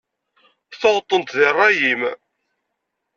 Tuɣeḍ-tent di rray-im.